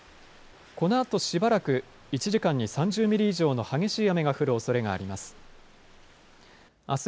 このあとしばらく１時間に３０ミリ以上の激しい雨が降るおそれがあります。